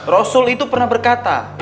rasul itu pernah berkata